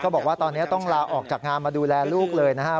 บอกว่าตอนนี้ต้องลาออกจากงานมาดูแลลูกเลยนะครับ